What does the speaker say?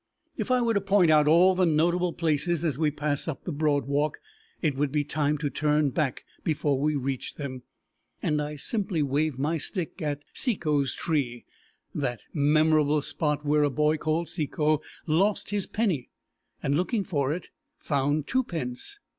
If I were to point out all the notable places as we pass up the Broad Walk, it would be time to turn back before we reach them, and I simply wave my stick at Cecco's Tree, that memorable spot where a boy called Cecco lost his penny, and, looking for it, found twopence.